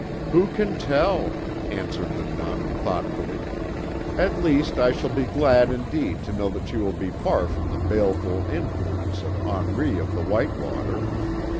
"Who can tell?" answered the Nun, thoughtfully. "At least, I shall be glad indeed to know that she will be far from the baleful influence of Henri of the White Water.